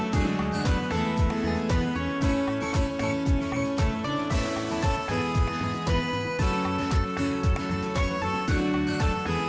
สวัสดีครับสวัสดีครับสวัสดีครับ